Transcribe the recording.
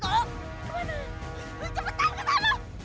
kemana cepetan kesana